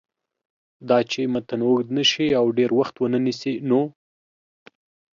داچې متن اوږد نشي او ډېر وخت ونه نیسي نو